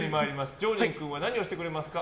上仁君は何をしてくれますか。